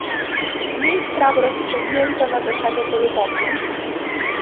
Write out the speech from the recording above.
Mniej spraw rozstrzygnięto na zasadzie polubownej